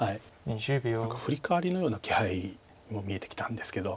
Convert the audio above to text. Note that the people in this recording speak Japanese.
何かフリカワリのような気配も見えてきたんですけど。